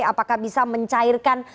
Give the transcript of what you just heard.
apakah bisa mencairkan